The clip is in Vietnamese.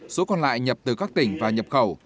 số còn lại nhập từ các tỉnh và nhập khẩu